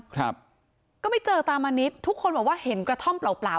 ครับก็ไม่เจอตามานิดทุกคนบอกว่าเห็นกระท่อมเปล่าเปล่า